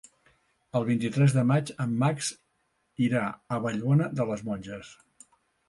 El vint-i-tres de maig en Max irà a Vallbona de les Monges.